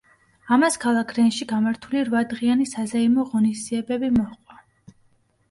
ამას ქალაქ რენში გამართული რვა დღიანი საზეიმო ღონისძიებები მოჰყვა.